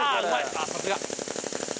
さすが。